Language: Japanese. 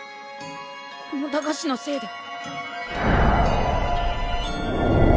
この駄菓子のせいだ！